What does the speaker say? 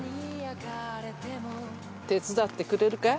手伝ってくれるかい？